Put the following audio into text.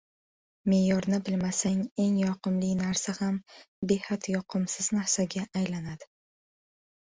Me’yorni bilmasang, eng yoqimli narsa ham behad yoqimsiz narsaga aylanadi.